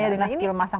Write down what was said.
skill masang bertambah